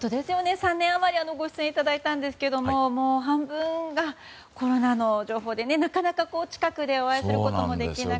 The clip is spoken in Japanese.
３年余りご出演いただいたんですけど半分がコロナの情報で、なかなか近くでお会いすることもできなくて。